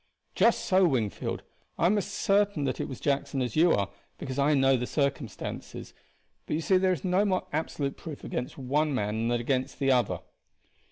"Just so, Wingfield. I am as certain that it was Jackson as you are, because I know the circumstances; but you see there is no more absolute proof against one man than against the other.